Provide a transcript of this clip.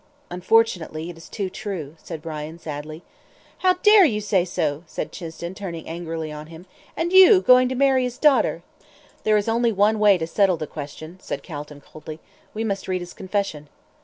"Unfortunately, it is too true," said Brian, sadly. "How dare you say so?" said Chinston, turning angrily on him. "And you going to marry his daughter!" "There is only one way to settle the question," said Calton, coldly. "We must read his confession."